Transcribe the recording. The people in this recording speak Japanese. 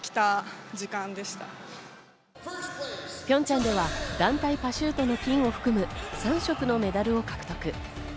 ピョンチャンでは団体パシュートの金を含む３色のメダルを獲得。